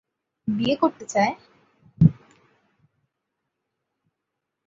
বিয়ে করতে চায়?